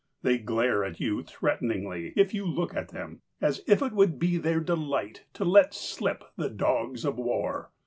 They glare at you threateningly if you look at them, as if it would be their delight to let slip the dogs of war.